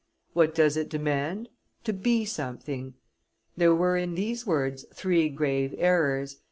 What does it demand? To be something.' There were in these words three grave errors.